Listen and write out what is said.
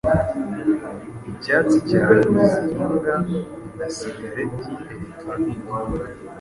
Icyatsi cya Rwiziringa na sigareti electronic.